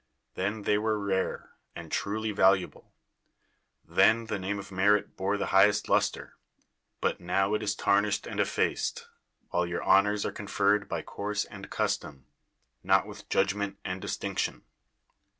Then they were rare and truly valuable ; then the name of merit bore the highest luster; but now it is tarnished and effaced; while your hon ors are conferred by course and custom, not with judgment and distinction.